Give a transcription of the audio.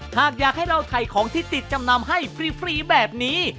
หากอยากให้เราถ่ายของที่ติดจำนำให้ฟรีแบบนี้